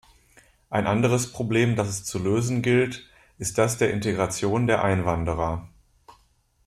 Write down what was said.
Ein anderes Problem, das es zu lösen gilt, ist das der Integration der Einwanderer.